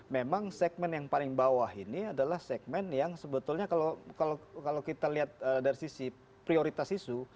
memang segmen yang paling bawah ini adalah segmen yang sebetulnya kalau kita lihat dari sisi prioritas isu